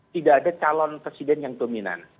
tidak ada calon presiden yang dominan